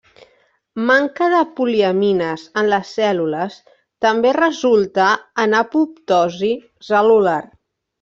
Manca de poliamines en les cèl·lules també resulta en apoptosi cel·lular.